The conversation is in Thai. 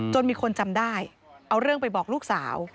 มีคนจำได้เอาเรื่องไปบอกลูกสาว